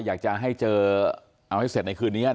อยากจะให้เจอเอาให้เสร็จในคืนนี้